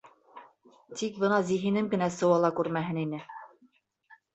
Тик бына зиһенем генә сыуала күрмәһен ине!